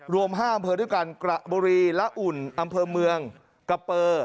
รวม๕อำเภอด้วยกันกระบุรีละอุ่นอำเภอเมืองกะเปอร์